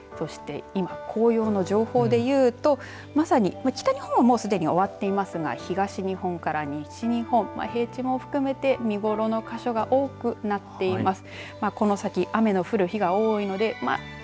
今、紅葉の情報でいうと北日本はすでに終わっていますが東日本から西日本平地も含めて見頃の箇所が多くなっています。